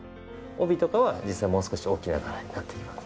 帯とかは実際もう少し大きな柄になってきます。